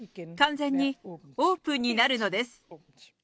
完全にオープンになるのです。